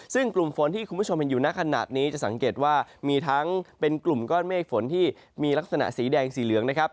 ซึ่งกลุ่มฝนที่คุณผู้ชมเห็นอยู่ในขณะนี้จะสังเกตว่ามีทั้งเป็นกลุ่มก้อนเมฆฝนที่มีลักษณะสีแดงสีเหลืองนะครับ